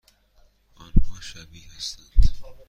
آنها شبیه هستند؟